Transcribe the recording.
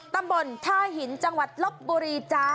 ตำบลท่าหินจังหวัดลบบุรีจ้า